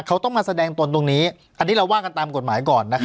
เขาต้องมาแสดงตนตรงนี้อันนี้เราว่ากันตามกฎหมายก่อน